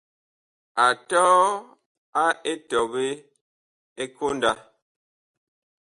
A tɔɔ a etɔɓe ɛ konda.